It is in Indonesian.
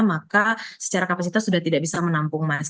maka secara kapasitas sudah tidak bisa menampung mas